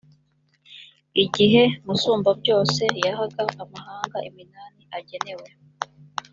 igihe musumbabyose yahaga amahanga iminani agenewe.